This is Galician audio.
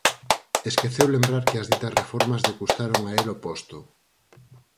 Esqueceu lembrar que as ditas reformas lle custaron a el o posto.